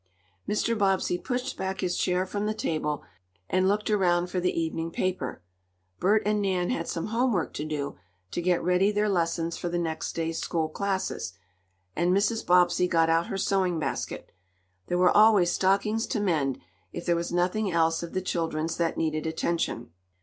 Mr. Bobbsey pushed back his chair from the table, and looked around for the evening paper. Bert and Nan had some home work to do, to get ready their lessons for the next day's school classes, and Mrs. Bobbsey got out her sewing basket. There were always stockings to mend, if there was nothing else of the children's that needed attention.